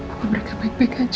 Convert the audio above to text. apa mereka baik baik aja